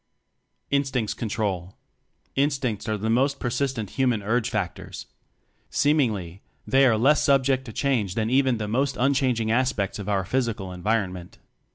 Instincts Control. Instincts are the most persistent human urge factors. Seemingly, they are less subject to change than even the most unchanging aspects of our physical environment.